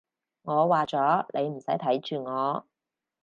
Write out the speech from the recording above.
我話咗，你唔使睇住我